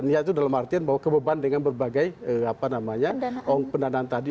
niat itu dalam artian bahwa kebeban dengan berbagai pendanaan tadi